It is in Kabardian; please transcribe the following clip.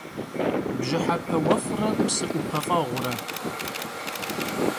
Bjıhepe vuef're pşı 'Upef'eğure.